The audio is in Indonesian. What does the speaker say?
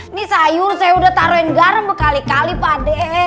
ini sayur saya udah taruhin garam berkali kali pak de